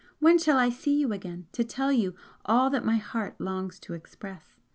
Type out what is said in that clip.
When shall I see you again to tell you all that my heart longs to express?